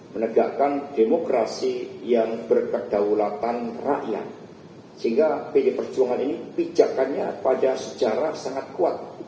menegakkan demokrasi yang berkedaulatan rakyat sehingga pd perjuangan ini pijakannya pada sejarah sangat kuat